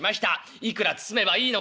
いくら包めばいいのか」。